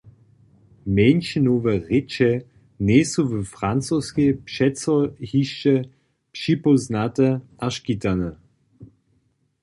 Mjeńšinowe rěče njejsu w Francoskej přeco hišće připóznate a škitane.